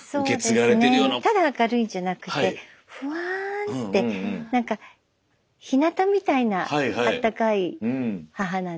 ただ明るいんじゃなくてフワーンって何かひなたみたいなあったかい母なんです。